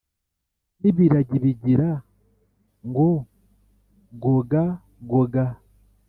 n’ibiragi bigira ngo gogagoga